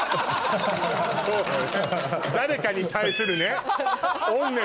誰かに対する。